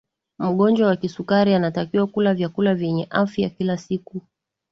mgonjwa wa kisukari anatakiwa kula vyakula vyenye afya kila siku